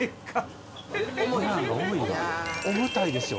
重たいですよ